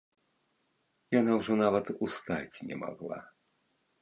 Яна ўжо нават устаць не магла.